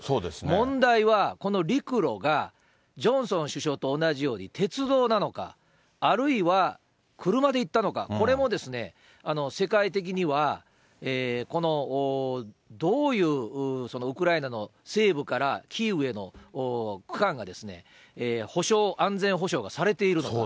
問題はこの陸路がジョンソン首相と同じように、鉄道なのか、あるいは車で行ったのか、これも世界的には、このどういうウクライナの西部からキーウへの区間が保障、安全保障がされているのか。